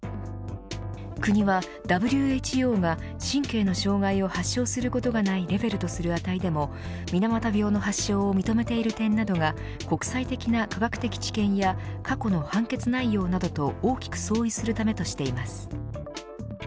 国は、ＷＨＯが神経の障害を発症することがないレベルとする値でも水俣病の発症を認めている点などが国際的な科学的知見や過去の判決内容などと大きく相違するためとしています。